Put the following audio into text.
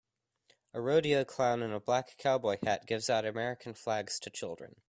A rodeo clown in a black cowboy hat gives out American flags to children.